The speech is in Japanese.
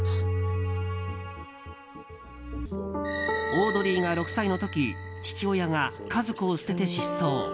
オードリーが６歳の時父親が家族を捨てて失踪。